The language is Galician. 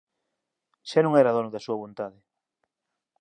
Xa non era dono da súa vontade.